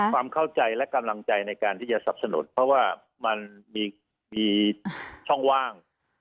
ความเข้าใจและกำลังใจในการที่จะสับสนุนเพราะว่ามันมีช่องว่าง